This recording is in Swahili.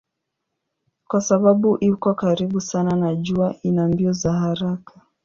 Kwa sababu iko karibu sana na jua ina mbio za haraka.